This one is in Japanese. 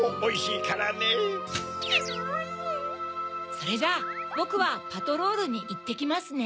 それじゃあぼくはパトロールにいってきますね。